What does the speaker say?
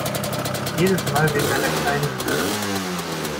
Jedes Mal wegen einer Kleinigkeit.